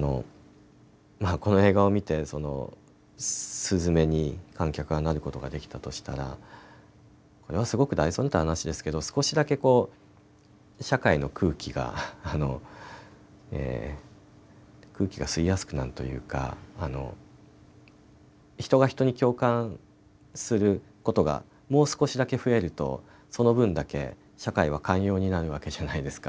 この映画を見て鈴芽に観客がなることができたとしたらこれはすごく大それた話ですけど少しだけ社会の空気が吸いやすくなるというか人が人に共感することがもう少しだけ増えるとその分だけ社会は寛容になるわけじゃないですか。